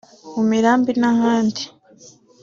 mu mirambi n’ahandi)